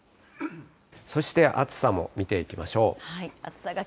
そして暑さも見ていきましょう。